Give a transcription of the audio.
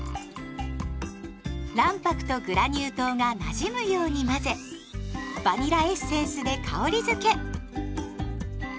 卵白とグラニュー糖がなじむように混ぜバニラエッセンスで香りづけ。